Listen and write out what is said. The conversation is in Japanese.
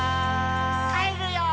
「帰るよー」